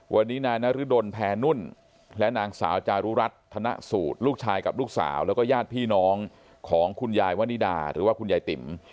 วันนี้นายนรดลแพนุ่นและนางสาวจารุรัฐธนสูตรลูกชายกับลูกสาวแล้วก็ญาติพี่น้องของคุณยายวนิดาหรือว่าคุณยายติ๋ม